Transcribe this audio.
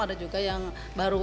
ada juga yang baru